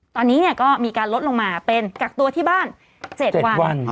ตอนนี้เนี่ยก็มีการลดลงมาเป็นกักตัวที่บ้านเจ็ดวันอ่า